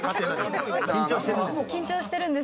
緊張してるんです。